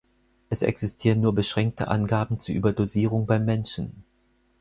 Es existieren nur beschränkte Angaben zur Überdosierung beim Menschen.